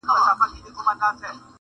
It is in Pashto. لار چي کله سي غلطه له سړیو!.